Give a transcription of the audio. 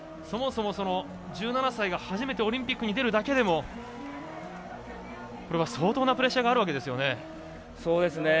そもそも１７歳が初めてオリンピックに出るだけでもこれは、相当なプレッシャーがあるわけですよね。